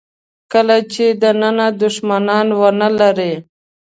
کله چې دننه دوښمنان ونه لرئ.